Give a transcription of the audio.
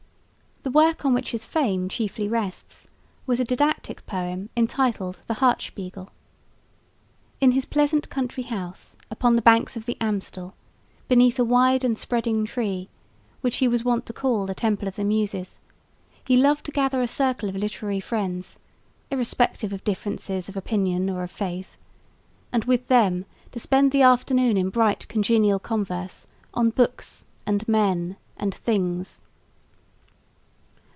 The work on which his fame chiefly rests was a didactic poem entitled the Hert Spiegel. In his pleasant country house upon the banks of the Amstel, beneath a wide and spreading tree, which he was wont to call the "Temple of the Muses" he loved to gather a circle of literary friends, irrespective of differences of opinion or of faith, and with them to spend the afternoon in bright congenial converse on books and men and things.